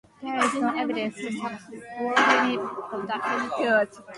There is no evidence to support any of that.